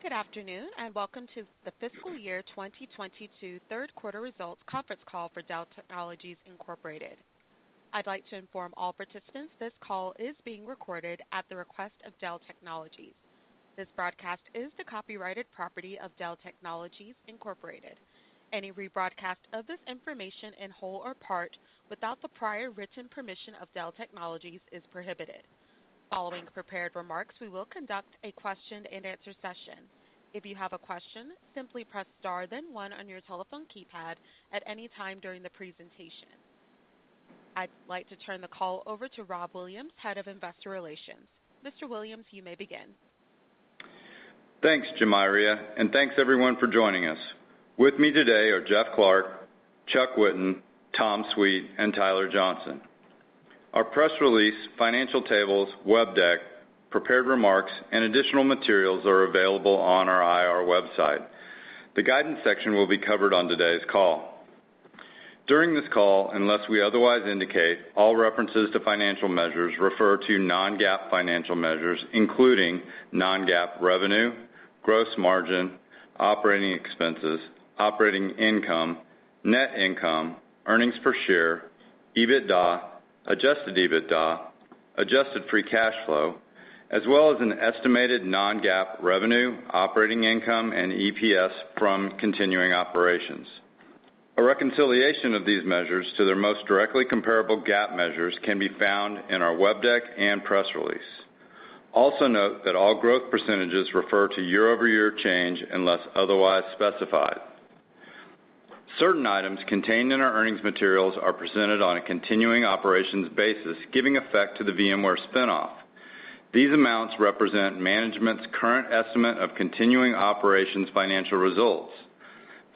Good afternoon, and welcome to the fiscal year 2022 third quarter results conference call for Dell Technologies Incorporated. I'd like to inform all participants this call is being recorded at the request of Dell Technologies. This broadcast is the copyrighted property of Dell Technologies Incorporated. Any rebroadcast of this information in whole or part without the prior written permission of Dell Technologies is prohibited. Following prepared remarks, we will conduct a question-and-answer session. If you have a question, simply press star then one on your telephone keypad at any time during the presentation. I'd like to turn the call over to Rob Williams, Head of Investor Relations. Mr. Williams, you may begin. Thanks, Jemaira, and thanks everyon for joining us. With me today are Jeff Clarke, Chuck Whitten, Tom Sweet, and Tyler Johnson. Our press release, financial tables, web deck, prepared remarks, and additional materials are available on our IR website. The guidance section will be covered on today's call. During this call, unless we otherwise indicate, all references to financial measures refer to non-GAAP financial measures, including non-GAAP revenue, gross margin, operating expenses, operating income, net income, earnings per share, EBITDA, adjusted EBITDA, adjusted free cash flow, as well as an estimated non-GAAP revenue, operating income, and EPS from continuing operations. A reconciliation of these measures to their most directly comparable GAAP measures can be found in our web deck and press release. Also note that all growth percentages refer to year-over-year change unless otherwise specified. Certain items contained in our earnings materials are presented on a continuing operations basis, giving effect to the VMware spin-off. These amounts represent management's current estimate of continuing operations' financial results.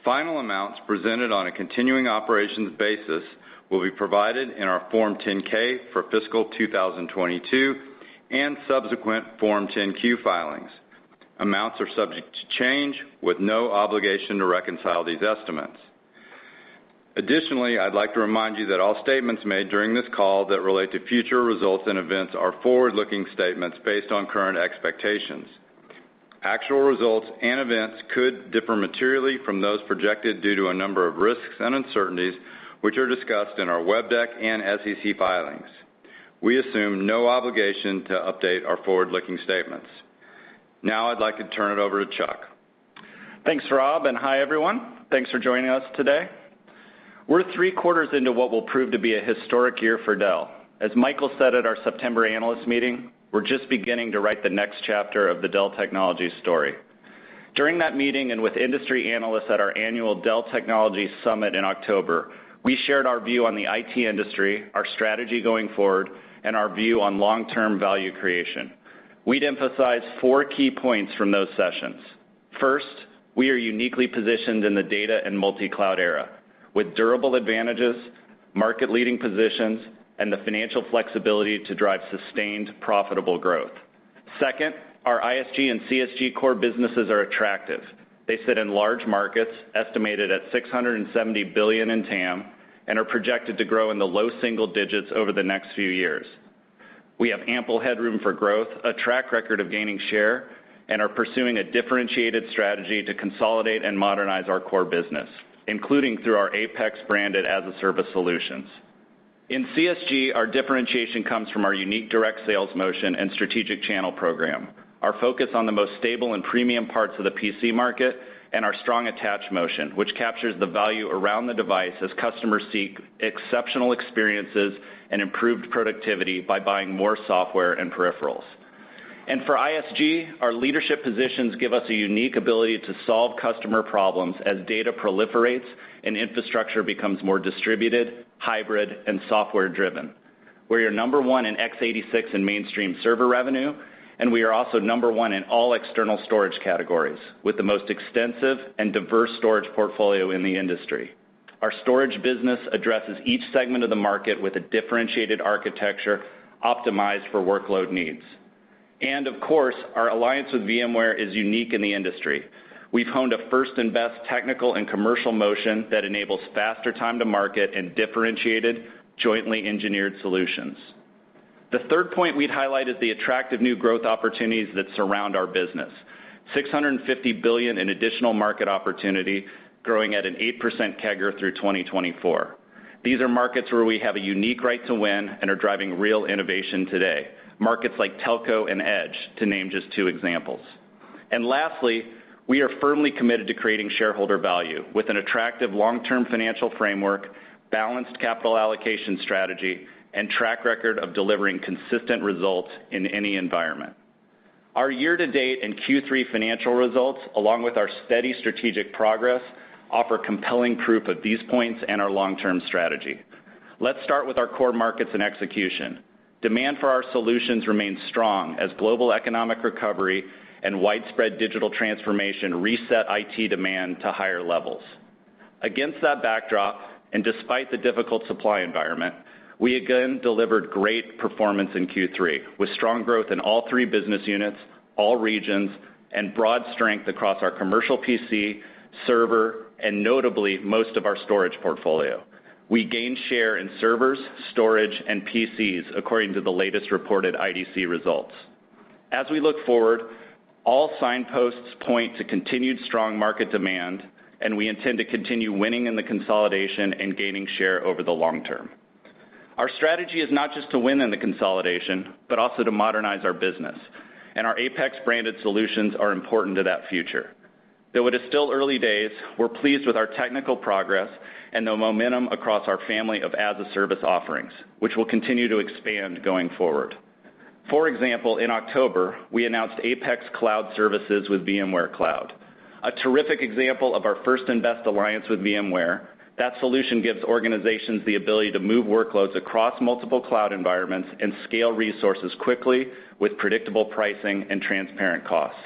Final amounts presented on a continuing operations basis will be provided in our Form 10-K for fiscal 2022 and subsequent Form 10-Q filings. Amounts are subject to change with no obligation to reconcile these estimates. Additionally, I'd like to remind you that all statements made during this call that relate to future results and events are forward-looking statements based on current expectations. Actual results and events could differ materially from those projected due to a number of risks and uncertainties, which are discussed in our web deck and SEC filings. We assume no obligation to update our forward-looking statements. Now I'd like to turn it over to Chuck. Thanks, Rob, and hi, everyone. Thanks for joining us today. We're three quarters into what will prove to be a historic year for Dell. As Michael said at our September analyst meeting, we're just beginning to write the next chapter of the Dell Technologies story. During that meeting and with industry analysts at our annual Dell Technologies Summit in October, we shared our view on the IT industry, our strategy going forward, and our view on long-term value creation. We'd emphasize four key points from those sessions. First, we are uniquely positioned in the data, and multi-cloud era with durable advantages, market-leading positions, and the financial flexibility to drive sustained, profitable growth. Second, our ISG and CSG core businesses are attractive. They sit in large markets, estimated at $670 billion in TAM, and are projected to grow in the low single digits% over the next few years. We have ample headroom for growth, a track record of gaining share, and are pursuing a differentiated strategy to consolidate and modernize our core business, including through our APEX-branded as-a-service solutions. In CSG, our differentiation comes from our unique direct sales motion and strategic channel program. Our focus on the most stable and premium parts of the PC market and our strong attach motion, which captures the value around the device as customers seek exceptional experiences, and improved productivity by buying more software and peripherals. For ISG, our leadership positions give us a unique ability to solve customer problems as data proliferates and infrastructure becomes more distributed, hybrid, and software-driven. We are number one in x86 and mainstream server revenue, and we are also number one in all external storage categories with the most extensive and diverse storage portfolio in the industry. Our storage business addresses each segment of the market with a differentiated architecture optimized for workload needs. Of course, our alliance with VMware is unique in the industry. We've honed a first and best technical and commercial motion that enables faster time to market and differentiated, jointly engineered solutions. The third point we'd highlight is the attractive new growth opportunities that surround our business. $650 billion in additional market opportunity growing at 8% CAGR through 2024. These are markets where we have a unique right to win and are driving real innovation today, markets like telco and edge, to name just two examples. Lastly, we are firmly committed to creating shareholder value with an attractive long-term financial framework, balanced capital allocation strategy, and track record of delivering consistent results in any environment. Our year-to-date and Q3 financial results, along with our steady strategic progress, offer compelling proof of these points and our long-term strategy. Let's start with our core markets and execution. Demand for our solutions remains strong as global economic recovery and widespread digital transformation reset IT demand to higher levels. Against that backdrop, and despite the difficult supply environment, we again delivered great performance in Q3, with strong growth in all three business units, all regions, and broad strength across our commercial PC, server, and notably most of our storage portfolio. We gained share in servers, storage, and PCs according to the latest reported IDC results. As we look forward, all signposts point to continued strong market demand, and we intend to continue winning in the consolidation and gaining share over the long term. Our strategy is not just to win in the consolidation, but also to modernize our business, and our APEX branded solutions are important to that future. Though it is still early days, we're pleased with our technical progress and the momentum across our family of as-a-service offerings, which we'll continue to expand going forward. For example, in October, we announced APEX Cloud Services with VMware Cloud. A terrific example of our first and best alliance with VMware, that solution gives organizations the ability to move workloads across multiple cloud environments and scale resources quickly with predictable pricing and transparent costs.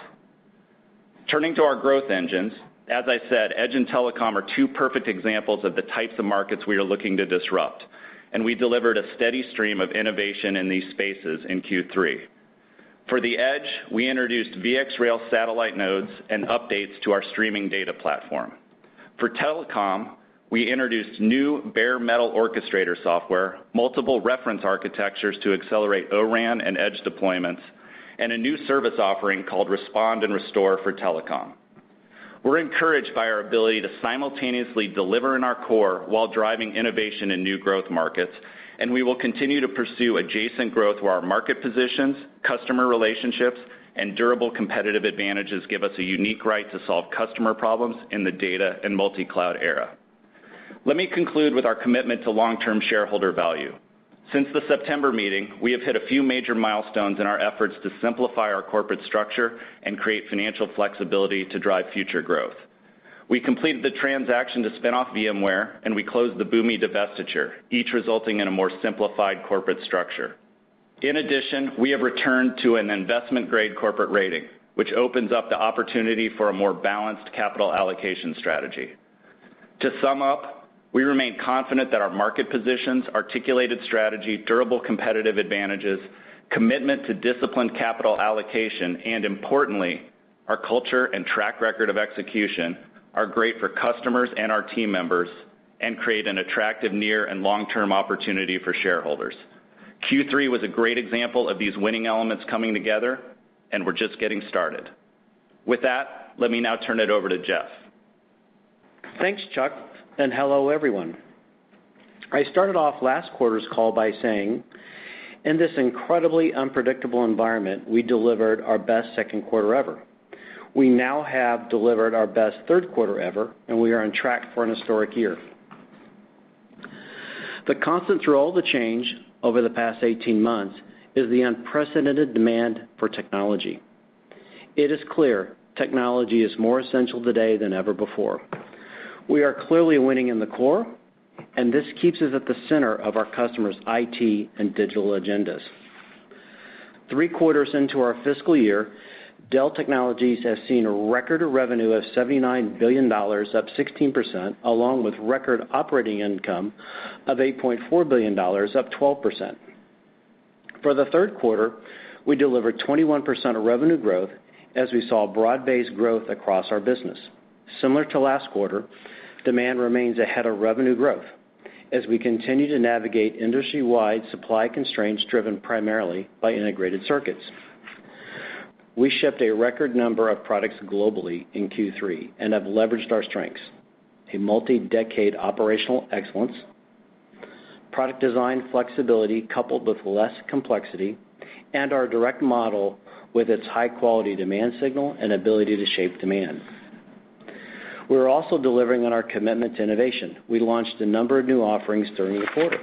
Turning to our growth engines, as I said, Edge and Telecom are two perfect examples of the types of markets we are looking to disrupt, and we delivered a steady stream of innovation in these spaces in Q3. For the Edge, we introduced VxRail satellite nodes and updates to our streaming data platform. For Telecom, we introduced new Bare Metal Orchestrator software, multiple reference architectures to accelerate ORAN and Edge deployments, and a new service offering called Respond and Restore for Telecom. We're encouraged by our ability to simultaneously deliver in our core while driving innovation in new growth markets, and we will continue to pursue adjacent growth where our market positions, customer relationships, and durable competitive advantages give us a unique right to solve customer problems in the data and multi-cloud era. Let me conclude with our commitment to long-term shareholder value. Since the September meeting, we have hit a few major milestones in our efforts to simplify our corporate structure and create financial flexibility to drive future growth. We completed the transaction to spin off VMware, and we closed the Boomi divestiture, each resulting in a more simplified corporate structure. In addition, we have returned to an investment-grade corporate rating, which opens up the opportunity for a more balanced capital allocation strategy. To sum up, we remain confident that our market positions, articulated strategy, durable competitive advantages, commitment to disciplined capital allocation, and importantly, our culture and track record of execution are great for customers and our team members and create an attractive near and long-term opportunity for shareholders. Q3 was a great example of these winning elements coming together, and we're just getting started. With that, let me now turn it over to Jeff. Thanks, Chuck, and hello, everyone. I started off last quarter's call by saying, in this incredibly unpredictable environment, we delivered our best second quarter ever. We now have delivered our best third quarter ever, and we are on track for an historic year. The constant through all the change over the past 18 months is the unprecedented demand for technology. It is clear technology is more essential today than ever before. We are clearly winning in the core, and this keeps us at the center of our customers' IT and digital agendas. Three quarters into our fiscal year, Dell Technologies has seen a record of revenue of $79 billion, up 16%, along with record operating income of $8.4 billion, up 12%. For the third quarter, we delivered 21% of revenue growth as we saw broad-based growth across our business. Similar to last quarter, demand remains ahead of revenue growth as we continue to navigate industry-wide supply constraints driven primarily by integrated circuits. We shipped a record number of products globally in Q3 and have leveraged our strengths, a multi-decade operational excellence, product design flexibility coupled with less complexity, and our direct model with its high-quality demand signal and ability to shape demand. We're also delivering on our commitment to innovation. We launched a number of new offerings during the quarter.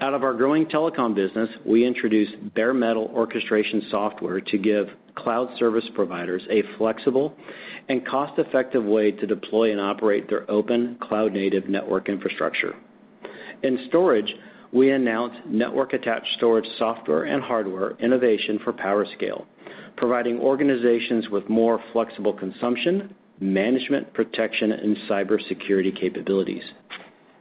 Out of our growing telecom business, we introduced Bare Metal Orchestrator software to give cloud service providers a flexible and cost-effective way to deploy and operate their open cloud native network infrastructure. In storage, we announced network-attached storage software and hardware innovation for PowerScale, providing organizations with more flexible consumption, management, protection, and cybersecurity capabilities.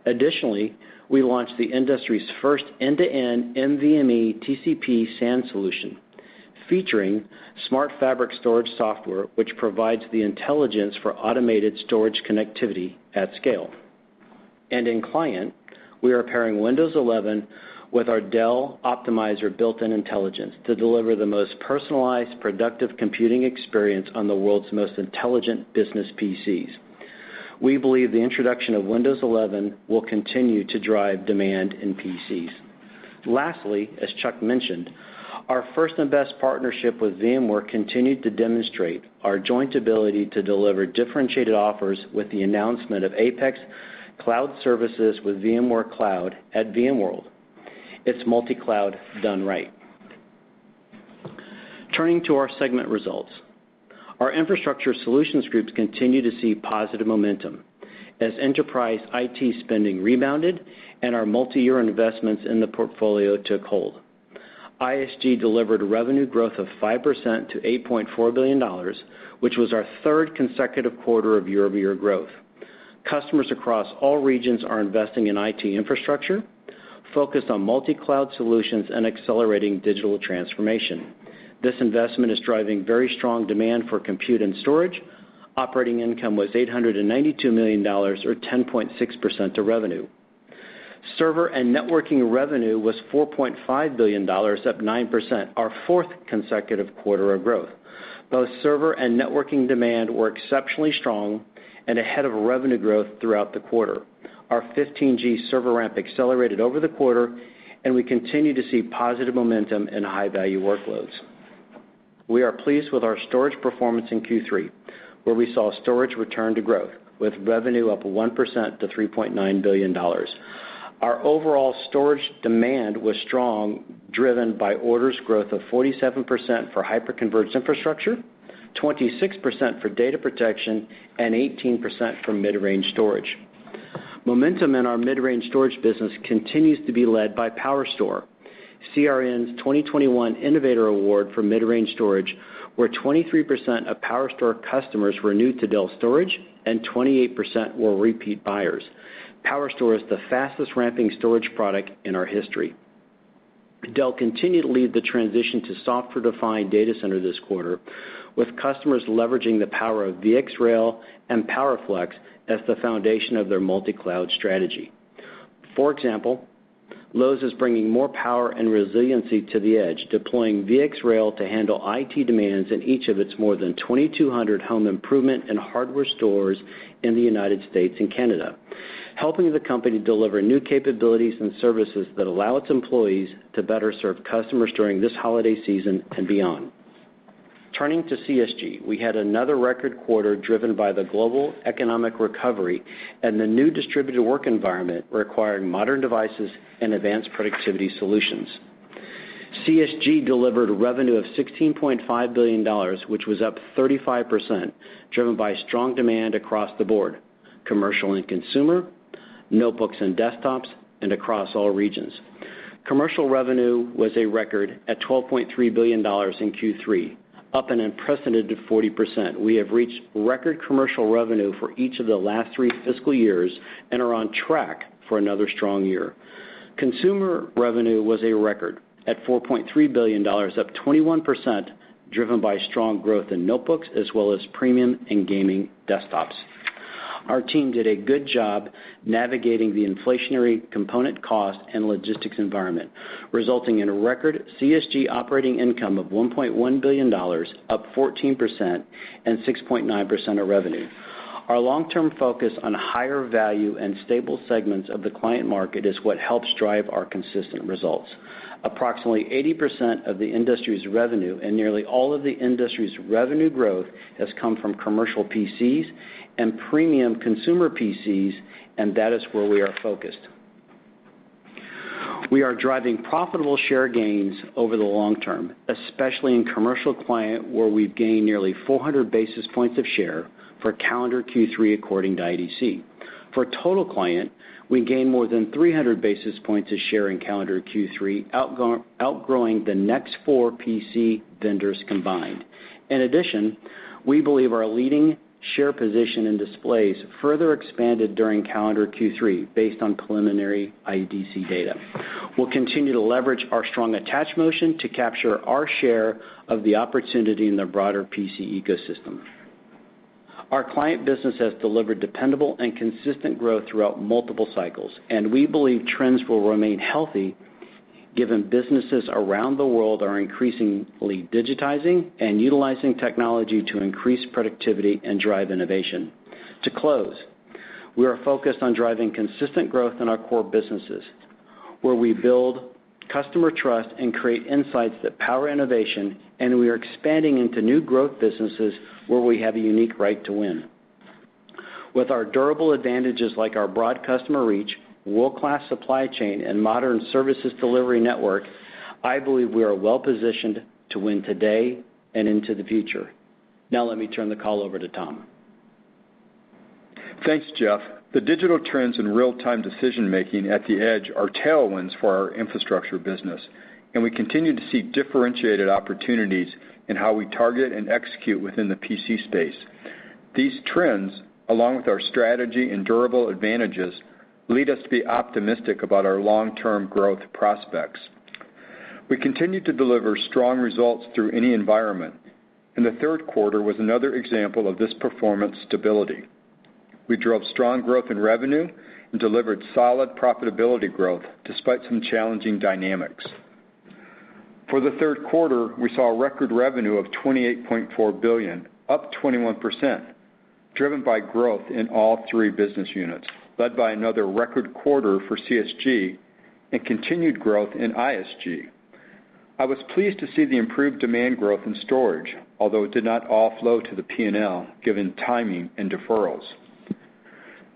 Additionally, we launched the industry's first end-to-end NVMe/TCP SAN solution, featuring SmartFabric Storage Software, which provides the intelligence for automated storage connectivity at scale. In client, we are pairing Windows 11 with our Dell Optimizer built-in intelligence to deliver the most personalized, productive computing experience on the world's most intelligent business PCs. We believe the introduction of Windows 11 will continue to drive demand in PCs. Lastly, as Chuck mentioned, our first and best partnership with VMware continued to demonstrate our joint ability to deliver differentiated offers with the announcement of APEX Cloud Services with VMware Cloud at VMworld. It's multi-cloud done right. Turning to our segment results. Our Infrastructure Solutions Group continues to see positive momentum as enterprise IT spending rebounded and our multi-year investments in the portfolio took hold. ISG delivered revenue growth of 5% to $8.4 billion, which was our third consecutive quarter of year-over-year growth. Customers across all regions are investing in IT infrastructure focused on multi-cloud solutions and accelerating digital transformation. This investment is driving very strong demand for compute and storage. Operating income was $892 million, or 10.6% of revenue. Server and networking revenue was $4.5 billion, up 9%, our fourth consecutive quarter of growth. Both server and networking demand were exceptionally strong, and ahead of revenue growth throughout the quarter. Our 15G server ramp accelerated over the quarter, and we continue to see positive momentum in high-value workloads. We are pleased with our storage performance in Q3, where we saw storage return to growth with revenue up 1% to $3.9 billion. Our overall storage demand was strong, driven by orders growth of 47% for hyperconverged infrastructure, 26% for data protection, and 18% for mid-range storage. Momentum in our mid-range storage business continues to be led by PowerStore, CRN's 2021 Innovator Award for mid-range storage, where 23% of PowerStore customers were new to Dell storage, and 28% were repeat buyers. PowerStore is the fastest-ramping storage product in our history. Dell continued to lead the transition to software-defined data center this quarter, with customers leveraging the power of VxRail and PowerFlex as the foundation of their multi-cloud strategy. For example, Lowe's is bringing more power and resiliency to the edge, deploying VxRail to handle IT demands in each of its more than 2,200 home improvement and hardware stores in the United States and Canada, helping the company deliver new capabilities and services that allow its employees to better serve customers during this holiday season and beyond. Turning to CSG, we had another record quarter driven by the global economic recovery and the new distributed work environment requiring modern devices and advanced productivity solutions. CSG delivered revenue of $16.5 billion, which was up 35%, driven by strong demand across the board, commercial and consumer, notebooks and desktops, and across all regions. Commercial revenue was a record at $12.3 billion in Q3, up an unprecedented 40%. We have reached record commercial revenue for each of the last three fiscal years and are on track for another strong year. Consumer revenue was a record at $4.3 billion, up 21%, driven by strong growth in notebooks as well as premium and gaming desktops. Our team did a good job navigating the inflationary component cost and logistics environment, resulting in a record CSG operating income of $1.1 billion, up 14% and 6.9% of revenue. Our long-term focus on higher value and stable segments of the client market is what helps drive our consistent results. Approximately 80% of the industry's revenue and nearly all of the industry's revenue growth has come from commercial PCs and premium consumer PCs, and that is where we are focused. We are driving profitable share gains over the long term, especially in commercial client, where we've gained nearly 400 basis points of share for calendar Q3 according to IDC. For total client, we gained more than 300 basis points of share in calendar Q3, outgrowing the next four PC vendors combined. In addition, we believe our leading share position in displays further expanded during calendar Q3 based on preliminary IDC data. We'll continue to leverage our strong attach momentum to capture our share of the opportunity in the broader PC ecosystem. Our client business has delivered dependable and consistent growth throughout multiple cycles, and we believe trends will remain healthy given businesses around the world are increasingly digitizing and utilizing technology to increase productivity and drive innovation. To close, we are focused on driving consistent growth in our core businesses, where we build customer trust, and create insights that power innovation, and we are expanding into new growth businesses where we have a unique right to win. With our durable advantages like our broad customer reach, world-class supply chain, and modern services delivery network, I believe we are well-positioned to win today and into the future. Now let me turn the call over to Tom. Thanks, Jeff. The digital trends in real-time decision-making at the edge are tailwinds for our infrastructure business, and we continue to see differentiated opportunities in how we target and execute within the PC space. These trends, along with our strategy, and durable advantages, lead us to be optimistic about our long-term growth prospects. We continue to deliver strong results through any environment, and the third quarter was another example of this performance stability. We drove strong growth in revenue, and delivered solid profitability growth despite some challenging dynamics. For the third quarter, we saw a record revenue of $28.4 billion, up 21%, driven by growth in all three business units, led by another record quarter for CSG and continued growth in ISG. I was pleased to see the improved demand growth in storage, although it did not all flow to the P&L, given timing and deferrals.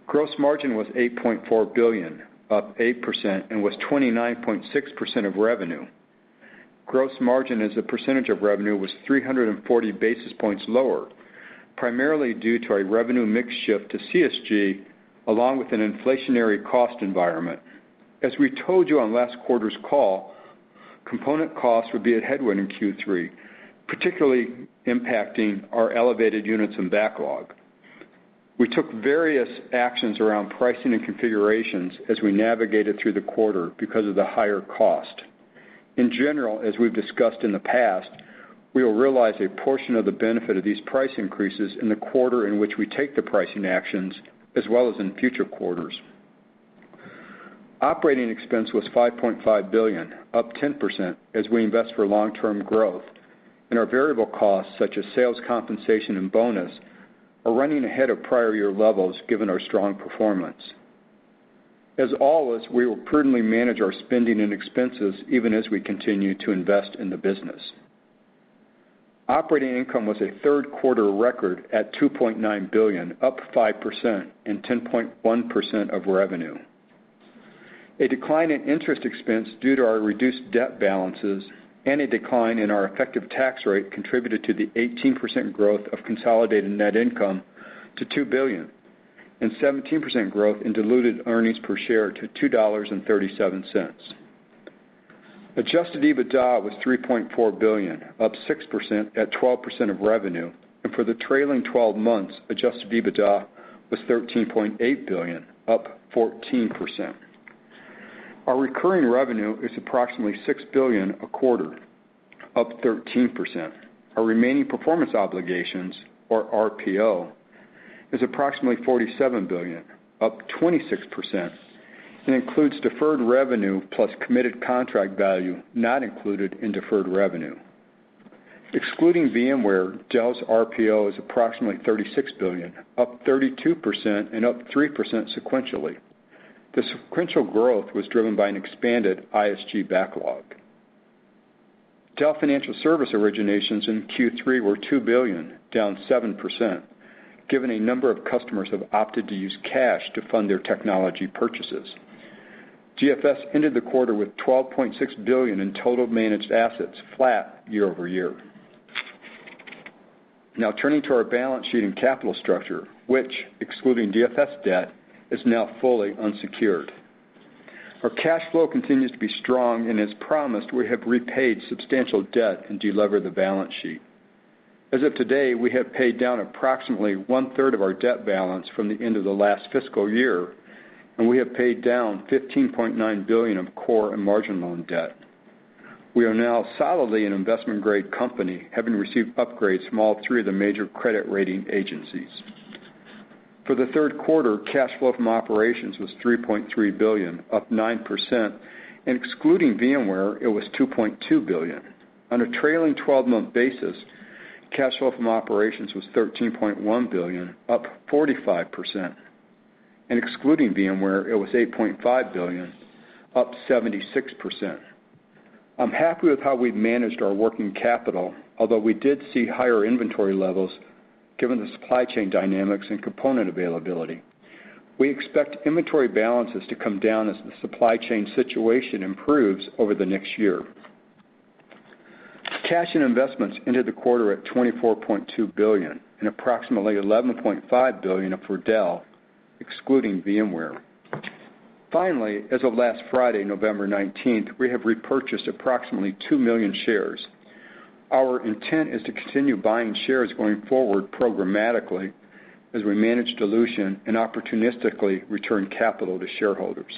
Gross margin was $8.4 billion, up 8%, and was 29.6% of revenue. Gross margin as a percentage of revenue was 340 basis points lower, primarily due to a revenue mix shift to CSG along with an inflationary cost environment. As we told you on last quarter's call, component costs would be a headwind in Q3, particularly impacting our elevated units and backlog. We took various actions around pricing and configurations as we navigated through the quarter because of the higher cost. In general, as we've discussed in the past, we will realize a portion of the benefit of these price increases in the quarter in which we take the pricing actions as well as in future quarters. Operating expense was $5.5 billion, up 10% as we invest for long-term growth, and our variable costs, such as sales compensation and bonus, are running ahead of prior year levels given our strong performance. As always, we will prudently manage our spending and expenses even as we continue to invest in the business. Operating income was a third-quarter record at $2.9 billion, up 5% and 10.1% of revenue. A decline in interest expense due to our reduced debt balances and a decline in our effective tax rate contributed to the 18% growth of consolidated net income to $2 billion and 17% growth in diluted earnings per share to $2.37. Adjusted EBITDA was $3.4 billion, up 6% at 12% of revenue. For the trailing twelve months, adjusted EBITDA was $13.8 billion, up 14%. Our recurring revenue is approximately $6 billion a quarter, up 13%. Our remaining performance obligations, or RPO, is approximately $47 billion, up 26%, and includes deferred revenue plus committed contract value not included in deferred revenue. Excluding VMware, Dell's RPO is approximately $36 billion, up 32% and up 3% sequentially. The sequential growth was driven by an expanded ISG backlog. Dell Financial Services originations in Q3 were $2 billion, down 7%, given a number of customers have opted to use cash to fund their technology purchases. DFS ended the quarter with $12.6 billion in total managed assets, flat year over year. Now turning to our balance sheet and capital structure, which excluding DFS debt is now fully unsecured. Our cash flow continues to be strong, and as promised, we have repaid substantial debt and delevered the balance sheet. As of today, we have paid down approximately one-third of our debt balance from the end of the last fiscal year, and we have paid down $15.9 billion of core and margin loan debt. We are now solidly an investment-grade company, having received upgrades from all three of the major credit rating agencies. For the third quarter, cash flow from operations was $3.3 billion, up 9%, and excluding VMware, it was $2.2 billion. On a trailing twelve-month basis, cash flow from operations was $13.1 billion, up 45%, and excluding VMware, it was $8.5 billion, up 76%. I'm happy with how we've managed our working capital, although we did see higher inventory levels given the supply chain dynamics and component availability. We expect inventory balances to come down as the supply chain situation improves over the next year. Cash and investments ended the quarter at $24.2 billion and approximately $11.5 billion are for Dell, excluding VMware. Finally, as of last Friday, November 19, we have repurchased approximately 2 million shares. Our intent is to continue buying shares going forward programmatically as we manage dilution and opportunistically return capital to shareholders.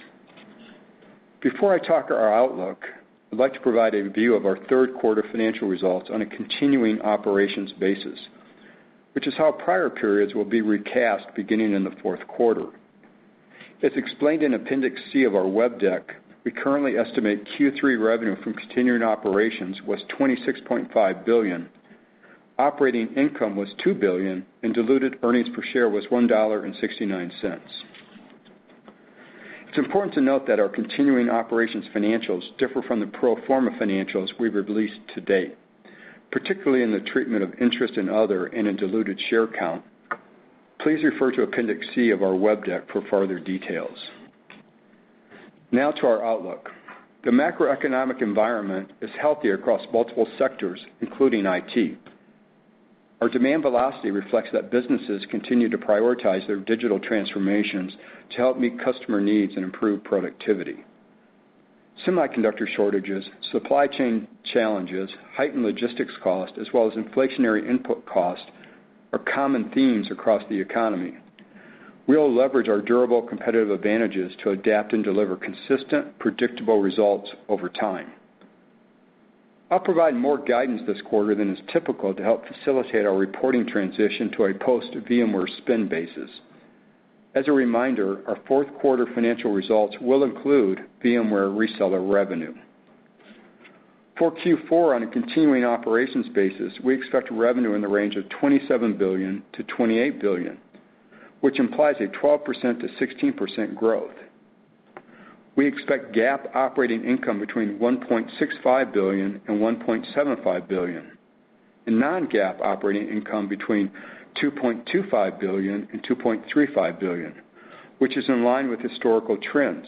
Before I talk about our outlook, I'd like to provide a view of our third quarter financial results on a continuing operations basis, which is how prior periods will be recast beginning in the fourth quarter. As explained in Appendix C of our web deck, we currently estimate Q3 revenue from continuing operations was $26.5 billion. Operating income was $2 billion, and diluted earnings per share was $1.69. It's important to note that our continuing operations financials differ from the pro forma financials we've released to date, particularly in the treatment of interest and other and in diluted share count. Please refer to Appendix C of our web deck for further details. Now to our outlook. The macroeconomic environment is healthier across multiple sectors, including IT. Our demand velocity reflects that businesses continue to prioritize their digital transformations to help meet customer needs and improve productivity. Semiconductor shortages, supply chain challenges, heightened logistics costs, as well as inflationary input costs are common themes across the economy. We'll leverage our durable competitive advantages to adapt and deliver consistent, predictable results over time. I'll provide more guidance this quarter than is typical to help facilitate our reporting transition to a post-VMware spin basis. As a reminder, our fourth quarter financial results will include VMware reseller revenue. For Q4 on a continuing operations basis, we expect revenue in the range of $27 billion-$28 billion, which implies a 12%-16% growth. We expect GAAP operating income between $1.65 billion and $1.75 billion and non-GAAP operating income between $2.25 billion and $2.35 billion, which is in line with historical trends.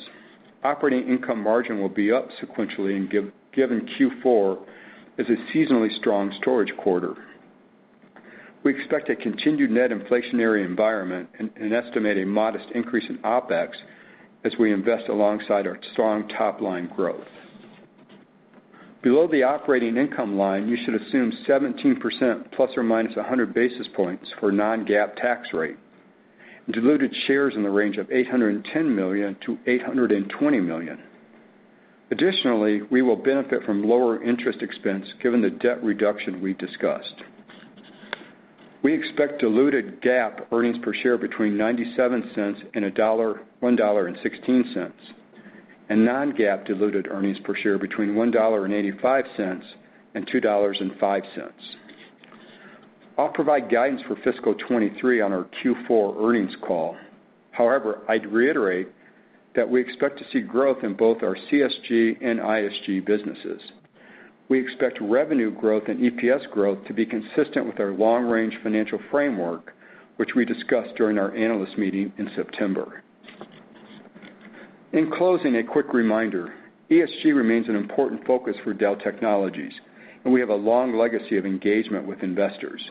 Operating income margin will be up sequentially given Q4 is a seasonally strong storage quarter. We expect a continued net inflationary environment and estimate a modest increase in OpEx as we invest alongside our strong top-line growth. Below the operating income line, you should assume 17% ±100 basis points for non-GAAP tax rate, and diluted shares in the range of 810 million-820 million. Additionally, we will benefit from lower interest expense given the debt reduction we discussed. We expect diluted GAAP earnings per share between $0.97 and $1.16, and non-GAAP diluted earnings per share between $1.85 and $2.05. I'll provide guidance for fiscal 2023 on our Q4 earnings call. However, I'd reiterate that we expect to see growth in both our CSG and ISG businesses. We expect revenue growth and EPS growth to be consistent with our long-range financial framework, which we discussed during our analyst meeting in September. In closing, a quick reminder. ESG remains an important focus for Dell Technologies, and we have a long legacy of engagement with investors.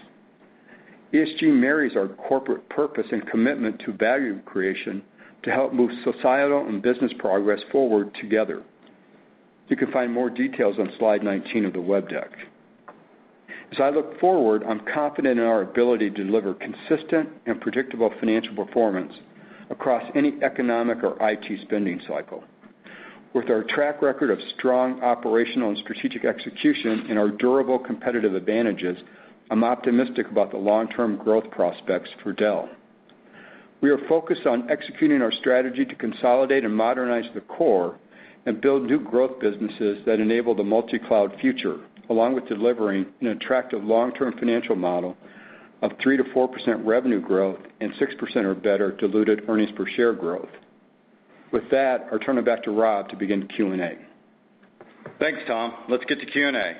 ESG marries our corporate purpose and commitment to value creation to help move societal and business progress forward together. You can find more details on slide 19 of the web deck. As I look forward, I'm confident in our ability to deliver consistent, and predictable financial performance across any economic or IT spending cycle. With our track record of strong operational, and strategic execution and our durable competitive advantages, I'm optimistic about the long-term growth prospects for Dell. We are focused on executing our strategy to consolidate and modernize the core and build new growth businesses that enable the multi-cloud future, along with delivering an attractive long-term financial model of 3%-4% revenue growth and 6% or better diluted earnings per share growth. With that, I'll turn it back to Rob to begin Q&A. Thanks, Tom. Let's get to Q&A.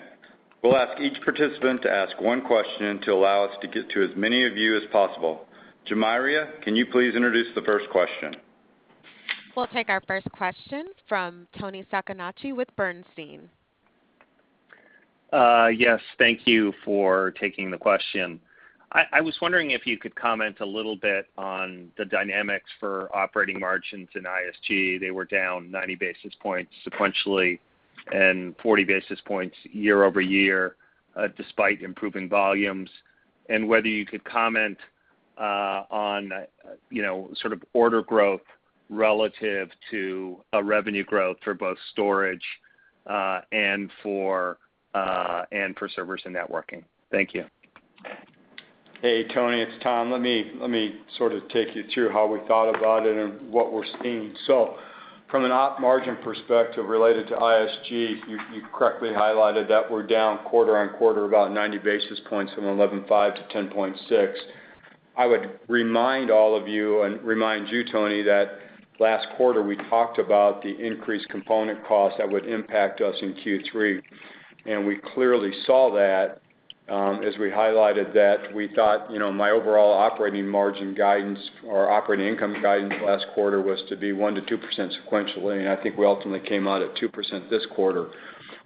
We'll ask each participant to ask one question to allow us to get to as many of you as possible. Jemaira, can you please introduce the first question? We'll take our first question from Toni Sacconaghi with Bernstein. Yes, thank you for taking the question. I was wondering if you could comment a little bit on the dynamics for operating margins in ISG. They were down 90 basis points sequentially, and 40 basis points year-over-year, despite improving volumes, and whether you could comment on, you know, sort of order growth relative to a revenue growth for both storage and for servers and networking. Thank you. Hey, Tony, it's Tom. Let me sort of take you through how we thought about it and what we're seeing. From an op margin perspective related to ISG, you correctly highlighted that we're down quarter-over-quarter about 90 basis points from 11.5 to 10.6. I would remind all of you, and remind you, Tony, that last quarter we talked about the increased component costs that would impact us in Q3, and we clearly saw that, as we highlighted that we thought, my overall operating margin guidance or operating income guidance last quarter was to be 1%-2% sequentially, and I think we ultimately came out at 2% this quarter.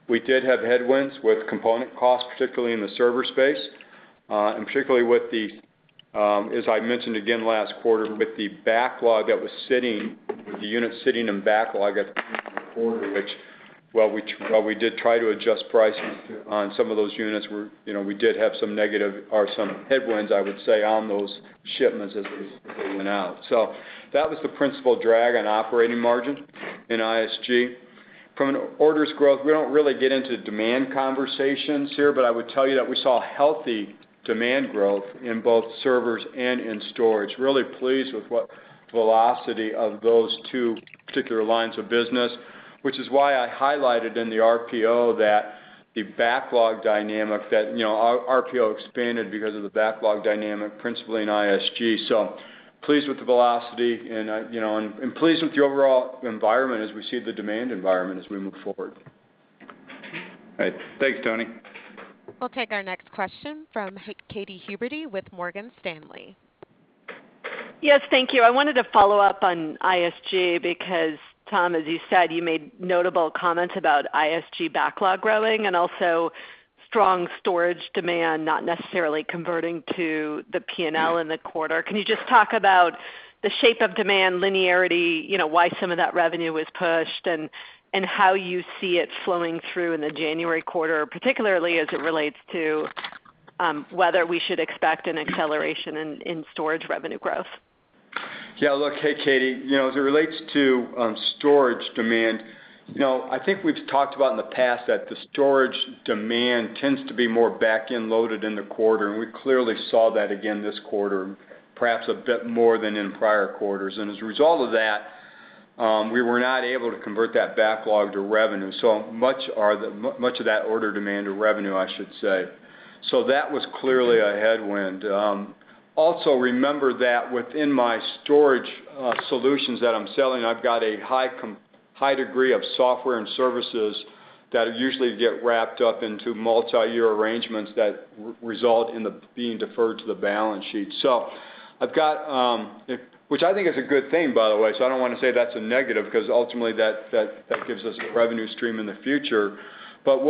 We did have headwinds with component costs, particularly in the server space, and particularly with the, as I mentioned again last quarter, with the backlog that was sitting, with the units sitting in backlog at the end of the quarter, which, while we did try to adjust pricing on some of those units, you know, we did have some negative or some headwinds, I would say, on those shipments as they went out. That was the principal drag on operating margin in ISG. From an orders growth, we don't really get into demand conversations here, but I would tell you that we saw healthy demand growth in both servers and in storage. Really pleased with the velocity of those two particular lines of business, which is why I highlighted in the RPO the backlog dynamic, you know, our RPO expanded because of the backlog dynamic, principally in ISG. Pleased with the velocity and, you know, pleased with the overall environment as we see the demand environment as we move forward. All right. Thanks, Tony. We'll take our next question from Katy Huberty with Morgan Stanley. Yes, thank you. I wanted to follow up on ISG because, Tom, as you said, you made notable comments about ISG backlog growing and also strong storage demand not necessarily converting to the P&L in the quarter. Can you just talk about the shape of demand linearity, you know, why some of that revenue was pushed, and how you see it flowing through in the January quarter, particularly as it relates to whether we should expect an acceleration in storage revenue growth? Yeah, look. Hey, Katy. You know, as it relates to storage demand, you know, I think we've talked about in the past that the storage demand tends to be more back-end loaded in the quarter, and we clearly saw that again this quarter, perhaps a bit more than in prior quarters. As a result of that, we were not able to convert that backlog to revenue, much of that order demand to revenue, I should say. That was clearly a headwind. Also remember that within my storage solutions that I'm selling, I've got a high degree of software and services that usually get wrapped up into multiyear arrangements that result in them being deferred to the balance sheet. I've got, which I think is a good thing, by the way, so I don't want to say that's a negative because ultimately that gives us revenue stream in the future. That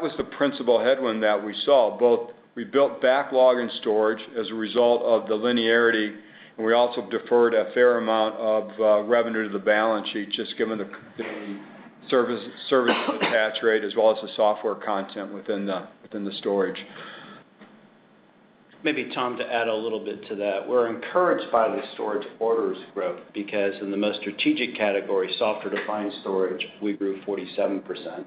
was the principal headwind that we saw, both we built backlog in storage as a result of the linearity, and we also deferred a fair amount of revenue to the balance sheet, just given the service attach rate as well as the software content within the storage. Maybe, Tom, to add a little bit to that. We're encouraged by the storage orders growth because in the most strategic category, software-defined storage, we grew 47%.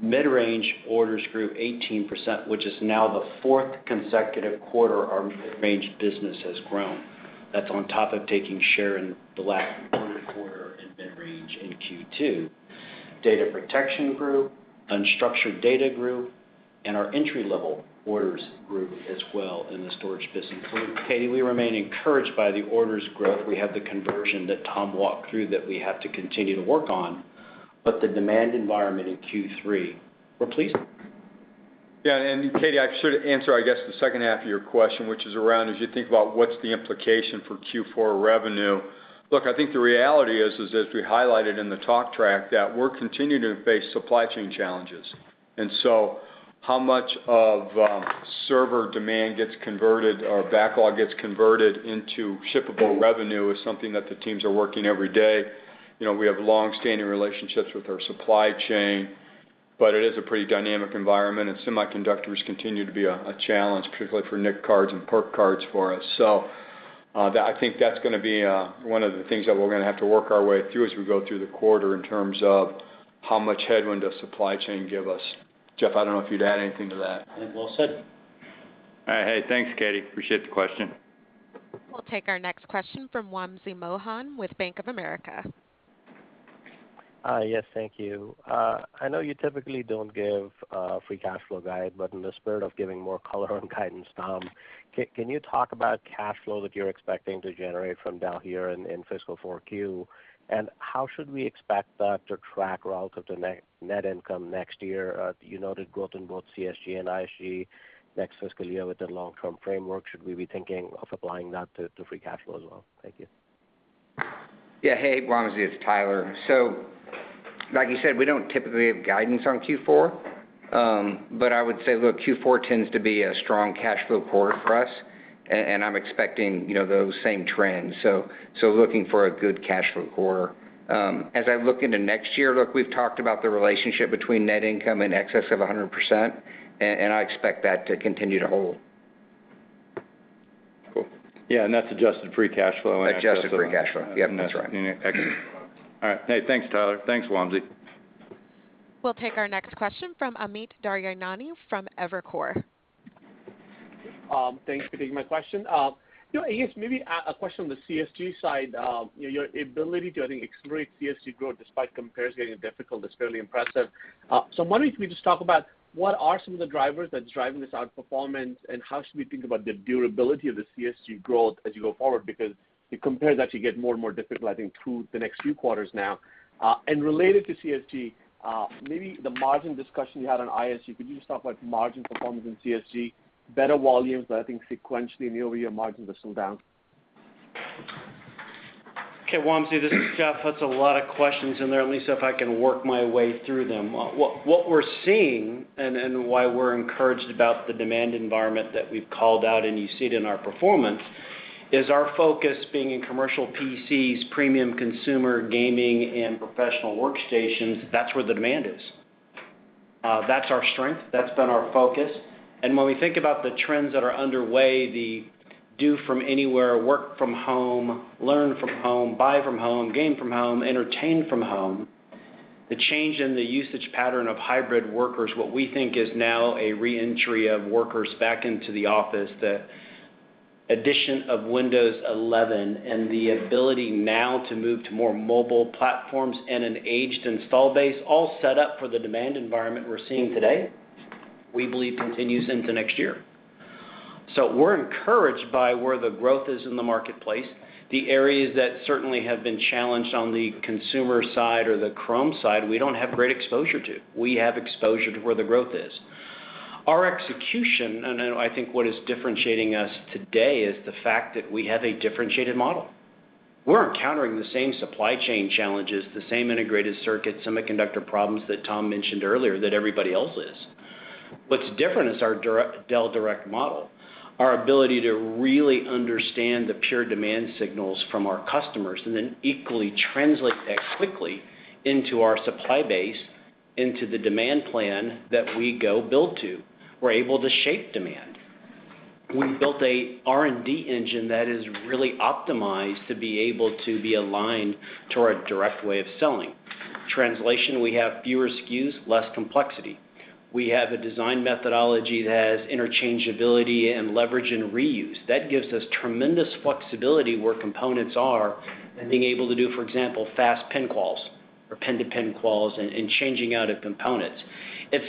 Mid-range orders grew 18%, which is now the fourth consecutive quarter our mid-range business has grown. That's on top of taking share in the last quarter and mid-range in Q2. Data protection grew, unstructured data grew, and our entry-level orders grew as well in the storage business. Katy, we remain encouraged by the orders growth. We have the conversion that Tom walked through that we have to continue to work on, but the demand environment in Q3, we're pleased. Yeah. Katy, I should answer, I guess, the second half of your question, which is around as you think about what's the implication for Q4 revenue. Look, I think the reality is as we highlighted in the talk track, that we're continuing to face supply chain challenges. How much of server demand gets converted or backlog gets converted into shippable revenue is something that the teams are working every day. You know, we have long-standing relationships with our supply chain, but it is a pretty dynamic environment, and semiconductors continue to be a challenge, particularly for NIC cards and PERC cards for us. So, that I think that's gonna be one of the things that we're gonna have to work our way through as we go through the quarter in terms of how much headwind does supply chain give us. Jeff, I don't know if you'd add anything to that. I think well said. All right. Hey, thanks, Katy. Appreciate the question. We'll take our next question from Wamsi Mohan with Bank of America. Hi. Yes, thank you. I know you typically don't give free cash flow guide, but in the spirit of giving more color on guidance, Tom, can you talk about cash flow that you're expecting to generate from Dell here in fiscal 4Q? How should we expect that to track relative to net income next year? You noted growth in both CSG and ISG next fiscal year with the long-term framework. Should we be thinking of applying that to free cash flow as well? Thank you. Yeah. Hey, Wamsi, it's Tyler. Like you said, we don't typically give guidance on Q4. I would say, look, Q4 tends to be a strong cash flow quarter for us, and I'm expecting, you know, those same trends, so looking for a good cash flow quarter. As I look into next year, look, we've talked about the relationship between net income in excess of 100%, and I expect that to continue to hold. Cool. Yeah, that's adjusted free cash flow. Adjusted free cash flow. Yep, that's right. All right. Hey, thanks, Tyler. Thanks, Wamsi. We'll take our next question from Amit Daryanani from Evercore. Thanks for taking my question. You know, yes, maybe a question on the CSG side. Your ability to, I think, accelerate CSG growth despite compares getting difficult is fairly impressive. I'm wondering if we just talk about what are some of the drivers that's driving this outperformance, and how should we think about the durability of the CSG growth as you go forward? Because the compares actually get more and more difficult, I think, through the next few quarters now. Related to CSG, maybe the margin discussion you had on ISG, could you just talk about margin performance in CSG, better volumes, but I think sequentially and year-over-year margins are still down. Okay. Wamsi, this is Jeff. That's a lot of questions in there. Let me see if I can work my way through them. What we're seeing and why we're encouraged about the demand environment that we've called out, and you see it in our performance, is our focus being in commercial PCs, premium consumer gaming, and professional workstations. That's where the demand is. That's our strength. That's been our focus. When we think about the trends that are underway, the do from anywhere, work from home, learn from home, buy from home, game from home, entertain from home, the change in the usage pattern of hybrid workers, what we think is now a re-entry of workers back into the office, the addition of Windows 11, and the ability now to move to more mobile platforms and an aged install base all set up for the demand environment we're seeing today, we believe continues into next year. We're encouraged by where the growth is in the marketplace. The areas that certainly have been challenged on the consumer side or the Chrome side, we don't have great exposure to. We have exposure to where the growth is. Our execution, and then I think what is differentiating us today, is the fact that we have a differentiated model. We're encountering the same supply chain challenges, the same integrated circuit semiconductor problems that Tom mentioned earlier, that everybody else is. What's different is our direct Dell direct model, our ability to really understand the pure demand signals from our customers, and then equally translate that quickly into our supply base, into the demand plan that we go build to. We're able to shape demand. We've built a R&D engine that is really optimized to be able to be aligned to our direct way of selling. Translation, we have fewer SKUs, less complexity. We have a design methodology that has interchangeability and leverage and reuse. That gives us tremendous flexibility where components are and being able to do, for example, fast pin calls or pin-to-pin calls and changing out of components. It's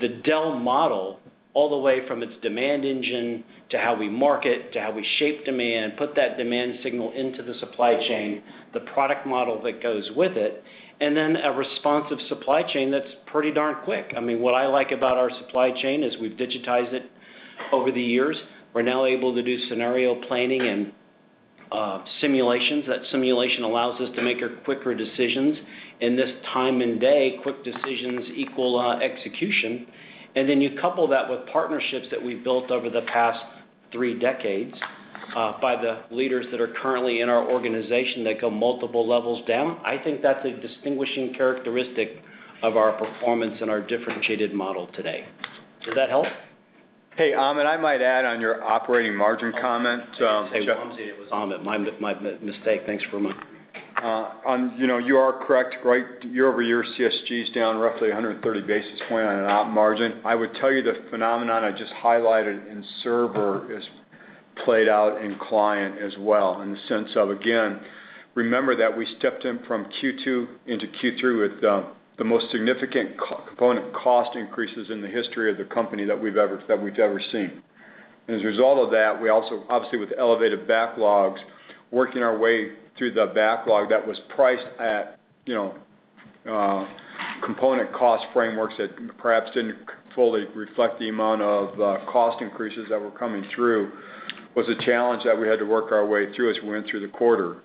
the Dell model all the way from its demand engine to how we market, to how we shape demand, put that demand signal into the supply chain, the product model that goes with it, and then a responsive supply chain that's pretty darn quick. I mean, what I like about our supply chain is we've digitized it over the years. We're now able to do scenario planning and simulations. That simulation allows us to make quicker decisions. In this time and day, quick decisions equal execution. You couple that with partnerships that we've built over the past three decades, by the leaders that are currently in our organization that go multiple levels down. I think that's a distinguishing characteristic of our performance and our differentiated model today. Does that help? Hey, Amit, I might add on your operating margin comment. Hey, Wamsi, it was Amit. My mistake. Thanks very much. You know, you are correct, right? Year-over-year, CSG is down roughly 130 basis points on an operating margin. I would tell you the phenomenon I just highlighted in server is played out in client as well in the sense of, again, remember that we stepped in from Q2 into Q3 with the most significant component cost increases in the history of the company that we've ever seen. As a result of that, we also, obviously, with elevated backlogs, working our way through the backlog that was priced at, you know, component cost frameworks that perhaps didn't fully reflect the amount of cost increases that were coming through, was a challenge that we had to work our way through as we went through the quarter.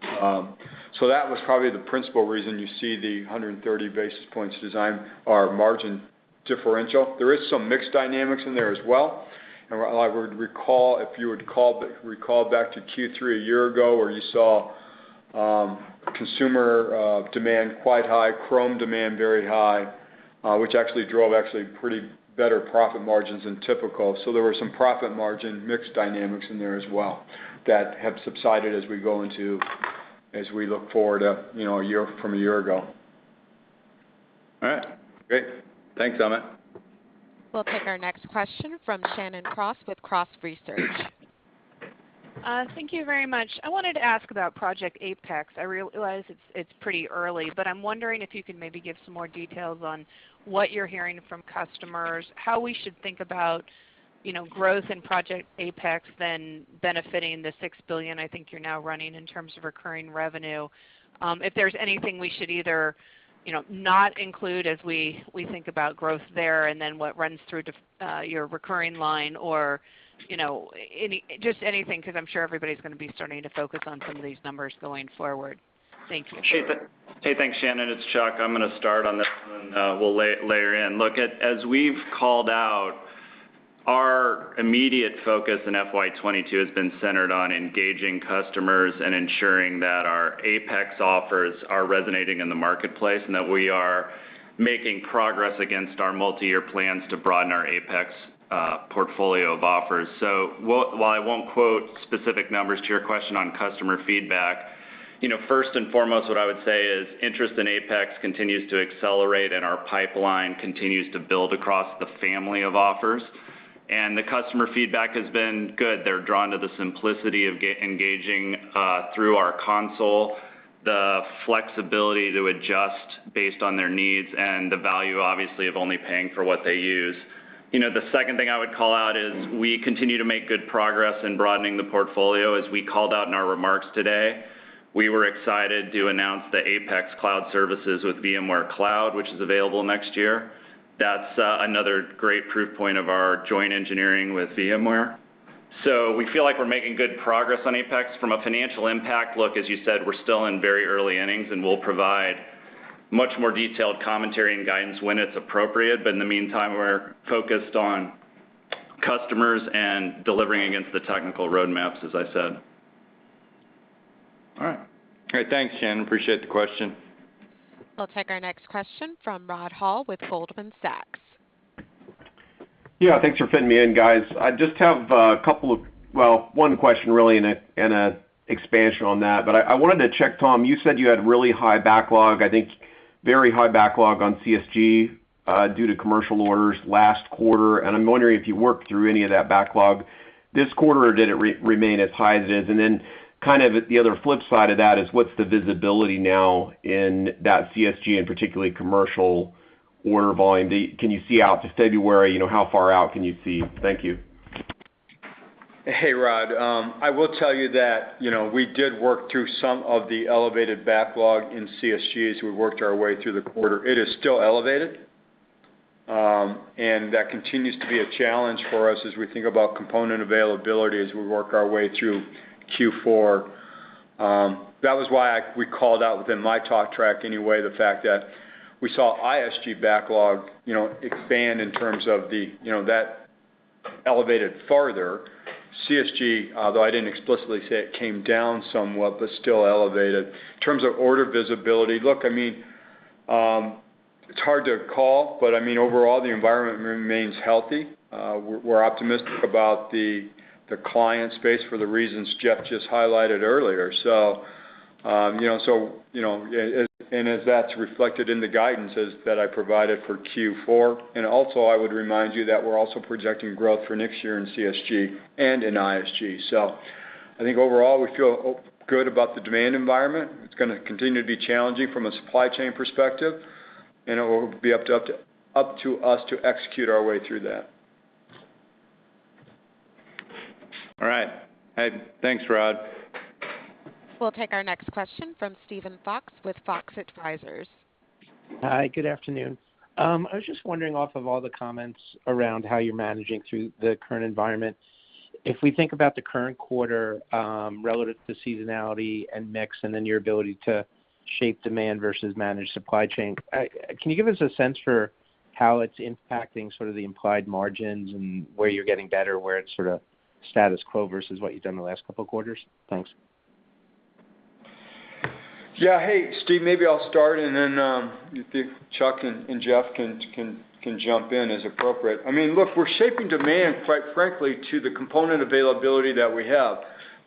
That was probably the principal reason you see the 130 basis points decline, or margin differential. There is some mix dynamics in there as well. I would recall, if you would recall back to Q3 a year ago, where you saw consumer demand quite high, Chrome demand very high, which actually drove pretty better profit margins than typical. There were some profit margin mix dynamics in there as well that have subsided as we look forward, you know, a year from a year ago. All right, great. Thanks, Amit. We'll take our next question from Shannon Cross with Cross Research. Thank you very much. I wanted to ask about APEX. I realize it's pretty early, but I'm wondering if you could maybe give some more details on what you're hearing from customers, how we should think about, you know, growth in APEX, then benefiting the $6 billion I think you're now running in terms of recurring revenue. If there's anything we should either, you know, not include as we think about growth there and then what runs through your recurring line or, you know, anything, 'cause I'm sure everybody's gonna be starting to focus on some of these numbers going forward. Thank you. Sure.Hey, thanks, Shannon. It's Chuck. I'm gonna start on this one, we'll layer in. Look, as we've called out, our immediate focus in FY 2022 has been centered on engaging customers and ensuring that our APEX offers are resonating in the marketplace, and that we are making progress against our multi-year plans to broaden our APEX portfolio of offers. While I won't quote specific numbers to your question on customer feedback, you know, first and foremost, what I would say is interest in APEX continues to accelerate and our pipeline continues to build across the family of offers. The customer feedback has been good. They're drawn to the simplicity of engaging through our console, the flexibility to adjust based on their needs and the value, obviously, of only paying for what they use. You know, the second thing I would call out is we continue to make good progress in broadening the portfolio. As we called out in our remarks today, we were excited to announce the APEX Cloud Services with VMware Cloud, which is available next year. That's another great proof point of our joint engineering with VMware. We feel like we're making good progress on APEX. From a financial impact look, as you said, we're still in very early innings, and we'll provide much more detailed commentary, and guidance when it's appropriate. In the meantime, we're focused on customers and delivering against the technical roadmaps, as I said. All right. Okay, thanks, Shannon. Appreciate the question. We'll take our next question from Rod Hall with Goldman Sachs. Yeah, thanks for fitting me in, guys. I just have a couple of, well, one question really, and an expansion on that. I wanted to check, Tom. You said you had really high backlog, I think very high backlog on CSG due to commercial orders last quarter. I'm wondering if you worked through any of that backlog this quarter, or did it remain as high as it is? Then kind of at the other flip side of that is what's the visibility now in that CSG and particularly commercial order volume? Can you see out to February? You know, how far out can you see? Thank you. Hey, Rod. I will tell you that, you know, we did work through some of the elevated backlog in CSG as we worked our way through the quarter. It is still elevated, and that continues to be a challenge for us as we think about component availability as we work our way through Q4. That was why we called out within my talk track anyway, the fact that we saw ISG backlog, you know, expand in terms of the, you know, that elevated farther. CSG, though I didn't explicitly say it came down somewhat, but still elevated. In terms of order visibility, look, I mean, it's hard to call, but I mean, overall, the environment remains healthy. We're optimistic about the client space for the reasons Jeff just highlighted earlier. that's reflected in the guidances that I provided for Q4. Also, I would remind you that we're also projecting growth for next year in CSG and in ISG. I think overall, we feel good about the demand environment. It's gonna continue to be challenging from a supply chain perspective, and it will be up to us to execute our way through that. All right. Hey, thanks, Rod. We'll take our next question from Steven Fox with Fox Advisors. Hi, good afternoon. I was just wondering off of all the comments around how you're managing through the current environment. If we think about the current quarter, relative to seasonality and mix, and then your ability to shape demand versus manage supply chain, can you give us a sense for how it's impacting sort of the implied margins and where you're getting better, where it's sort of status quo versus what you've done in the last couple of quarters? Thanks. Yeah. Hey, Steve. Maybe I'll start, and then if Chuck and Jeff can jump in as appropriate. I mean, look, we're shaping demand, quite frankly, to the component availability that we have,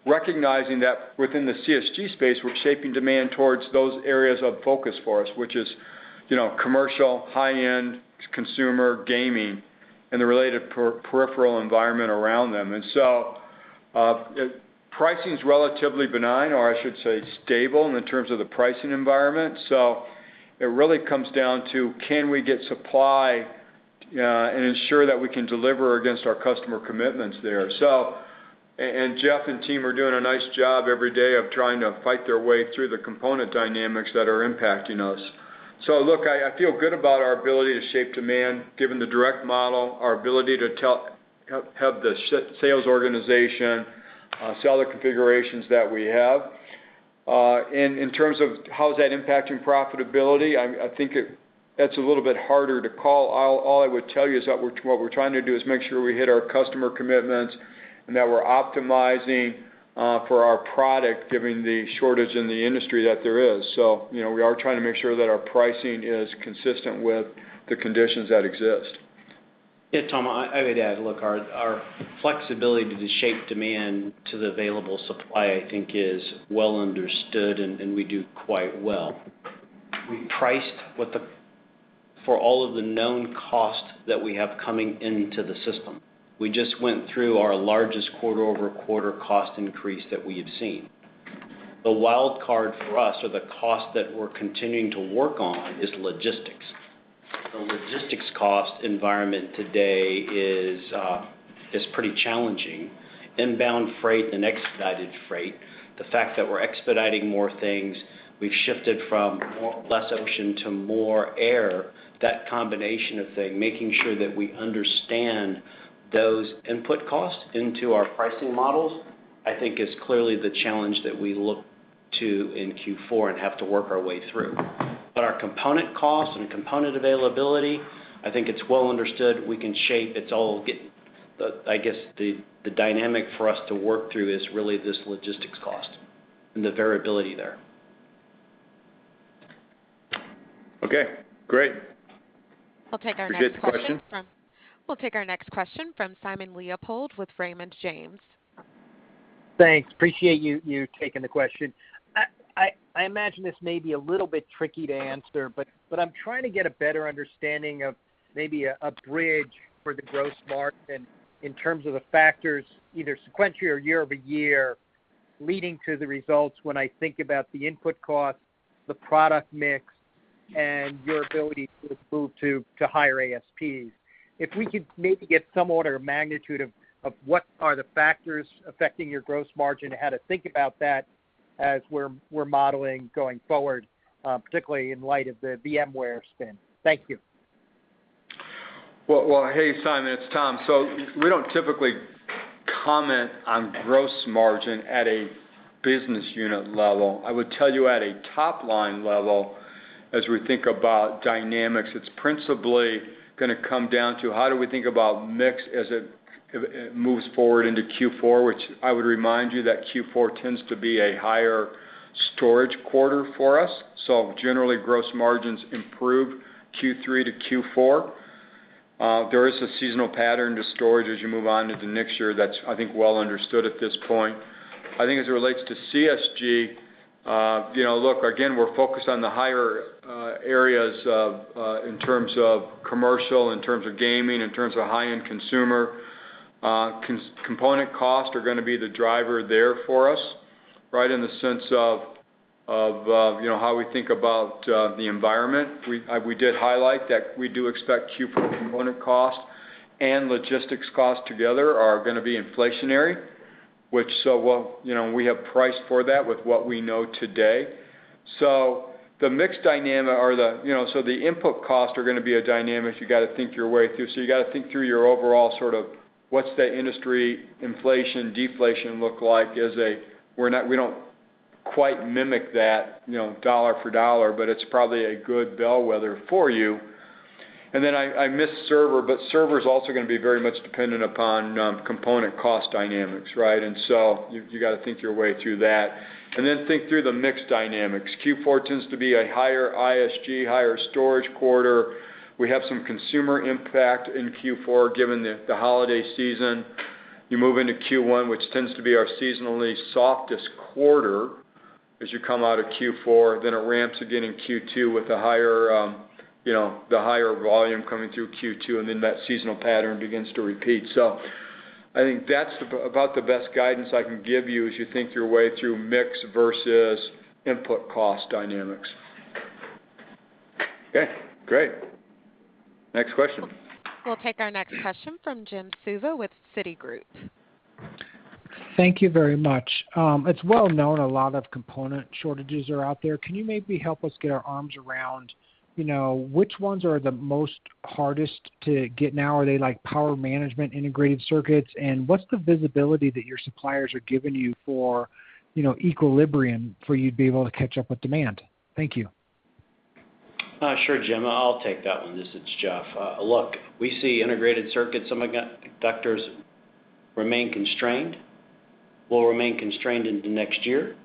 recognizing that within the CSG space, we're shaping demand towards those areas of focus for us, which is, you know, commercial, high-end consumer gaming, and the related peripheral environment around them. Pricing's relatively benign or I should say stable in terms of the pricing environment. It really comes down to can we get supply and ensure that we can deliver against our customer commitments there? And Jeff and team are doing a nice job every day of trying to fight their way through the component dynamics that are impacting us. Look, I feel good about our ability to shape demand given the direct model, our ability to help the sales organization sell the configurations that we have. In terms of how is that impacting profitability, I think that's a little bit harder to call. All I would tell you is that what we're trying to do is make sure we hit our customer commitments and that we're optimizing for our product given the shortage in the industry that there is. You know, we are trying to make sure that our pricing is consistent with the conditions that exist. Yeah, Tom, I would add. Look, our flexibility to shape demand to the available supply, I think is well understood, and we do quite well. We priced for all of the known costs that we have coming into the system. We just went through our largest quarter-over-quarter cost increase that we have seen. The wild card for us or the cost that we're continuing to work on is logistics. The logistics cost environment today is pretty challenging. Inbound freight and expedited freight, the fact that we're expediting more things, we've shifted from less ocean to more air. That combination of things, making sure that we understand those input costs into our pricing models, I think is clearly the challenge that we look to in Q4 and have to work our way through. Our component costs and component availability, I think it's well understood we can shape. I guess the dynamic for us to work through is really this logistics cost and the variability there. Okay, great. We'll take our next question from. appreciate the question. We'll take our next question from Simon Leopold with Raymond James. Thanks. Appreciate you taking the question. I imagine this may be a little bit tricky to answer, but I'm trying to get a better understanding of maybe a bridge for the gross margin in terms of the factors, either sequentially or year-over-year, leading to the results when I think about the input costs, the product mix, and your ability to move to higher ASPs. If we could maybe get some order of magnitude of what are the factors affecting your gross margin and how to think about that as we're modeling going forward, particularly in light of the VMware spin. Thank you. Well, hey, Simon, it's Tom. We don't typically comment on gross margin at a business unit level. I would tell you at a top-line level, as we think about dynamics, it's principally gonna come down to how do we think about mix as it moves forward into Q4, which I would remind you that Q4 tends to be a higher storage quarter for us. Generally, gross margins improve Q3 to Q4. There is a seasonal pattern to storage as you move on to the next year that's, I think, well understood at this point. I think as it relates to CSG, you know, look, again, we're focused on the higher areas in terms of commercial, in terms of gaming, in terms of high-end consumer. Component costs are gonna be the driver there for us, right? In the sense of, you know, how we think about the environment. We did highlight that we do expect Q4 component cost and logistics costs together are gonna be inflationary. You know, we have priced for that with what we know today. The mix dynamic, you know, the input costs are gonna be a dynamic you gotta think your way through. You gotta think through your overall sort of what's the industry inflation, deflation look like. We don't quite mimic that, you know, dollar for dollar, but it's probably a good bellwether for you. I missed server, but server's also gonna be very much dependent upon component cost dynamics, right? You gotta think your way through that, then think through the mix dynamics. Q4 tends to be a higher ISG, higher storage quarter. We have some consumer impact in Q4 given the holiday season. You move into Q1, which tends to be our seasonally softest quarter as you come out of Q4. It ramps again in Q2 with the higher volume coming through Q2, and that seasonal pattern begins to repeat. I think that's about the best guidance I can give you as you think your way through mix versus input cost dynamics. Okay, great. Next question. We'll take our next question from Jim Suva with Citigroup. Thank you very much. It's well known a lot of component shortages are out there. Can you maybe help us get our arms around, you know, which ones are the most hardest to get now? Are they like power management integrated circuits? What's the visibility that your suppliers are giving you for, you know, equilibrium for you to be able to catch up with demand? Thank you. Sure, Jim, I'll take that one. This is Jeff. Look, we see integrated circuits, some of the semiconductors remain constrained, will remain constrained into next year.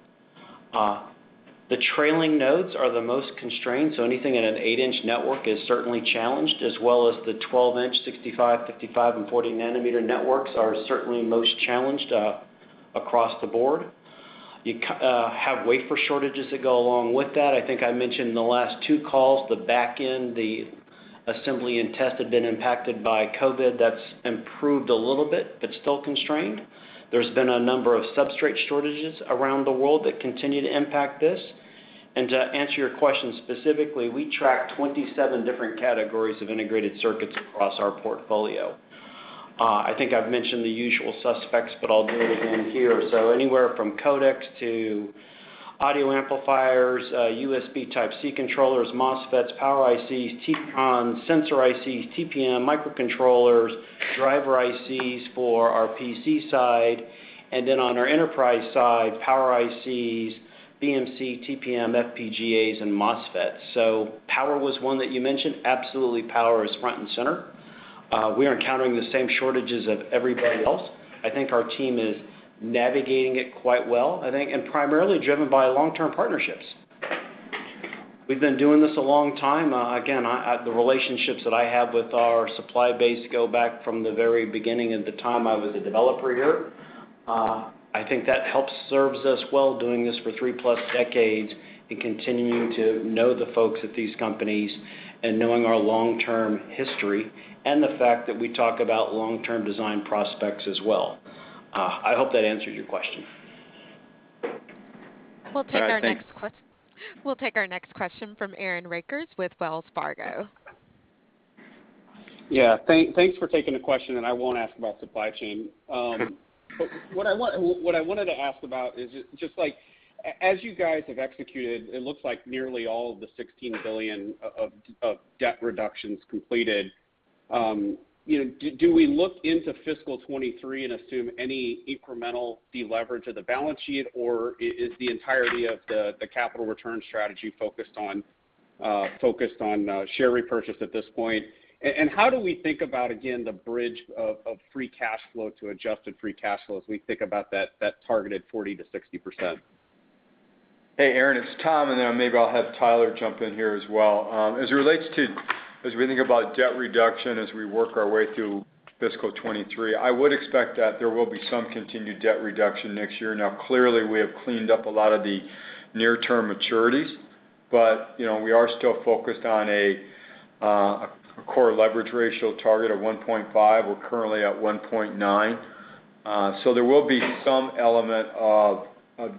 The trailing nodes are the most constrained, so anything in an 8-inch wafer is certainly challenged, as well as the 12-inch 65-, 55-, and 40-nanometer nodes are certainly most challenged across the board. You have wafer shortages that go along with that. I think I mentioned the last two calls, the back end, the assembly and test had been impacted by COVID. That's improved a little bit, but still constrained. There's been a number of substrate shortages around the world that continue to impact this. To answer your question specifically, we track 27 different categories of integrated circuits across our portfolio. I think I've mentioned the usual suspects, but I'll do it again here. Anywhere from codecs to audio amplifiers, USB Type-C controllers, MOSFETs, power ICs, TPCONs, sensor ICs, TPM, microcontrollers, driver ICs for our PC side. Then on our enterprise side, power ICs, BMC, TPM, FPGAs, and MOSFETs. Power was one that you mentioned. Absolutely, power is front and center. We are encountering the same shortages of everybody else. I think our team is navigating it quite well, I think, and primarily driven by long-term partnerships. We've been doing this a long time. Again, the relationships that I have with our supply base go back from the very beginning of the time I was a developer here. I think that helps serves us well doing this for 3+ decades and continuing to know the folks at these companies and knowing our long-term history and the fact that we talk about long-term design prospects as well. I hope that answers your question. All right, thanks. We'll take our next question from Aaron Rakers with Wells Fargo. Yeah. Thanks for taking the question, and I won't ask about supply chain. But what I wanted to ask about is just like as you guys have executed, it looks like nearly all of the $16 billion of debt reduction's completed. You know, do we look into fiscal 2023 and assume any incremental deleverage of the balance sheet, or is the entirety of the capital return strategy focused on share repurchase at this point? And how do we think about, again, the bridge of free cash flow to adjusted free cash flow as we think about that targeted 40%-60%? Hey, Aaron, it's Tom, and then maybe I'll have Tyler jump in here as well. As it relates to, as we think about debt reduction as we work our way through fiscal 2023, I would expect that there will be some continued debt reduction next year. Now, clearly, we have cleaned up a lot of the near-term maturities, but, you know, we are still focused on a core leverage ratio target of 1.5. We're currently at 1.9. There will be some element of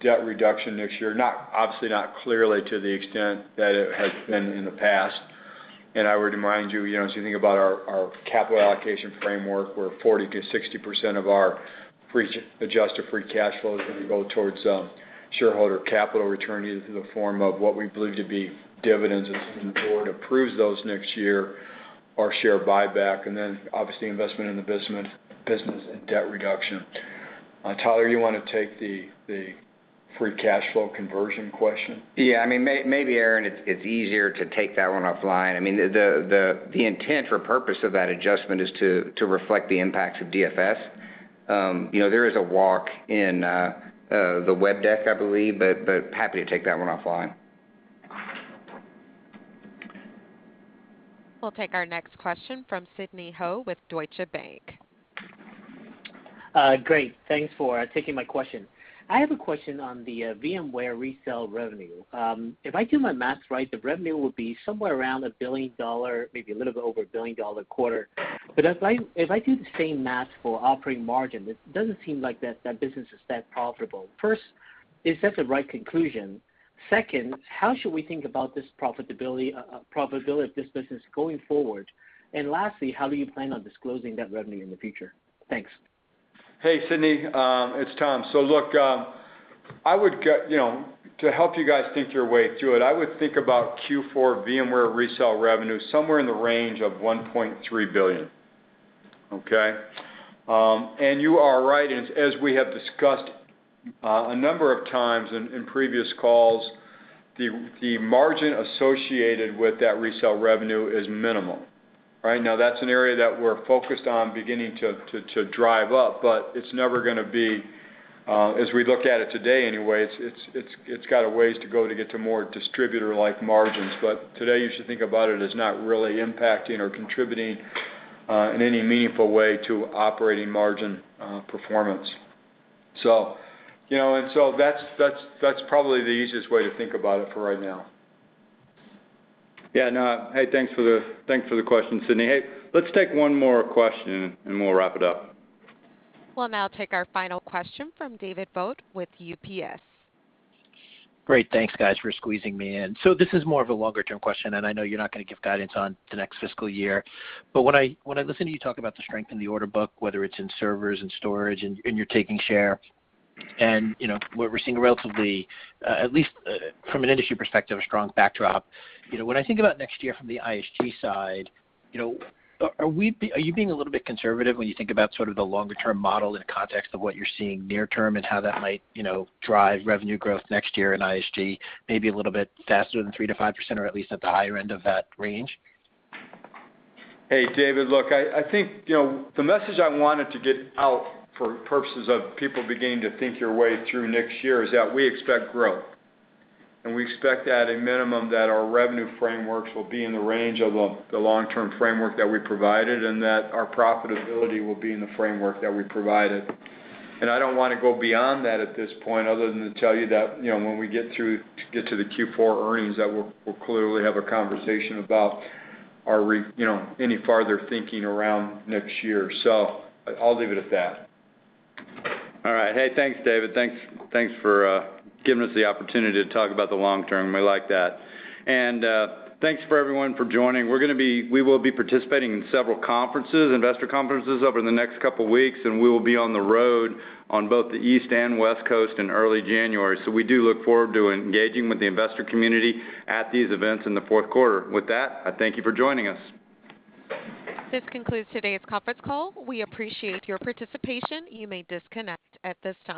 debt reduction next year, not, obviously not clearly to the extent that it has been in the past. I would remind you know, as you think about our capital allocation framework, where 40%-60% of our adjusted free cash flow is gonna go towards shareholder capital return, either through the form of what we believe to be dividends as the board approves those next year or share buyback, and then obviously investment in the business and debt reduction. Tyler, you wanna take the free cash flow conversion question? Yeah. I mean, maybe, Aaron, it's easier to take that one offline. I mean, the intent or purpose of that adjustment is to reflect the impacts of DFS. You know, there is a walk in the web deck, I believe, but happy to take that one offline. We'll take our next question from Sidney Ho with Deutsche Bank. Great. Thanks for taking my question. I have a question on the VMware resale revenue. If I do my math right, the revenue would be somewhere around $1 billion, maybe a little bit over $1 billion quarter. But if I do the same math for operating margin, it doesn't seem like that business is that profitable. First, is that the right conclusion? Second, how should we think about this profitability of this business going forward? Lastly, how do you plan on disclosing that revenue in the future? Thanks. Hey, Sidney. It's Tom. Look, you know, to help you guys think your way through it, I would think about Q4 VMware resale revenue somewhere in the range of $1.3 billion, okay? You are right. As we have discussed a number of times in previous calls, the margin associated with that resale revenue is minimal, right? Now, that's an area that we're focused on beginning to drive up, but it's never gonna be, as we look at it today anyway, it's got a ways to go to get to more distributor-like margins. But today, you should think about it as not really impacting or contributing in any meaningful way to operating margin performance. You know, and so that's probably the easiest way to think about it for right now. Yeah, no. Hey, thanks for the question, Sidney. Hey, let's take one more question, and we'll wrap it up. We'll now take our final question from David Vogt with UBS. Great. Thanks, guys, for squeezing me in. So this is more of a longer-term question, and I know you're not gonna give guidance on the next fiscal year. But when I listen to you talk about the strength in the order book, whether it's in servers and storage and you're taking share, and, you know, we're seeing a relatively, at least, from an industry perspective, a strong backdrop. You know, when I think about next year from the ISG side, you know, are you being a little bit conservative when you think about sort of the longer-term model in the context of what you're seeing near term and how that might, you know, drive revenue growth next year in ISG maybe a little bit faster than 3%-5% or at least at the higher end of that range? Hey, David. Look, I think, you know, the message I wanted to get out for purposes of people beginning to think your way through next year is that we expect growth, and we expect at a minimum that our revenue frameworks will be in the range of the long-term framework that we provided and that our profitability will be in the framework that we provided. I don't wanna go beyond that at this point other than to tell you that, you know, when we get to the Q4 earnings, that we'll clearly have a conversation about you know, any farther thinking around next year. So I'll leave it at that. All right. Hey, thanks, David. Thanks for giving us the opportunity to talk about the long term. We like that. Thanks for everyone for joining. We will be participating in several conferences, investor conferences over the next couple weeks, and we will be on the road on both the East and West Coast in early January. We do look forward to engaging with the investor community at these events in the fourth quarter. With that, I thank you for joining us. This concludes today's conference call. We appreciate your participation. You may disconnect at this time.